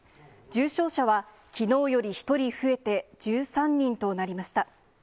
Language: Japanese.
重症者はきのうより１人増えて１３人となりました。